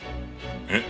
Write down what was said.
えっ？